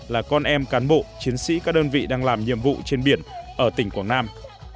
là con em cán bộ chiến sĩ các đơn vị đang làm nhiệm vụ trên biển ở tỉnh quảng nam